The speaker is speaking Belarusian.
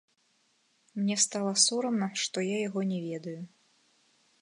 Мне стала сорамна, што я яго не ведаю.